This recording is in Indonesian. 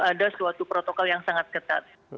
ada suatu protokol yang sangat ketat